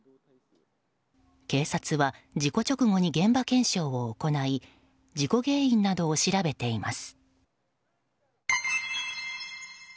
警察は事故直後に現場検証を行い事故原因などを調べています。